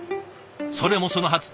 それもそのはず。